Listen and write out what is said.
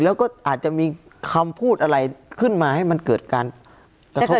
แล้วก็อาจจะมีคำพูดอะไรขึ้นมาให้มันเกิดการกระทบ